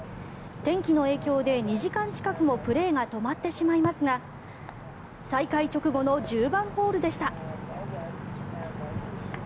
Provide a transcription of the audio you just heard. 天気の影響で２時間近くもプレーが止まってしまいますが再開直後の１０番ホールでした。